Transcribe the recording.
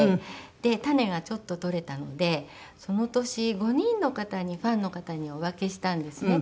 で種がちょっと採れたのでその年５人の方にファンの方にお分けしたんですね